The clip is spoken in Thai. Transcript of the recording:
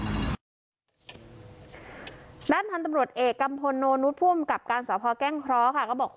ด้านทางตำรวจเอกกัมพลโนนุภูมิกับการสอบพ่อแกล้งเคราะห์ค่ะ